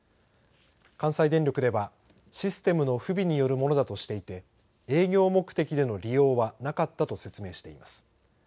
関西電力ではシステムの不備によるものだとしていて営業目的での利用はなかったと説明しています。